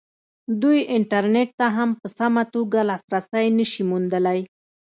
دوی انټرنېټ ته هم په سمه توګه لاسرسی نه شي موندلی.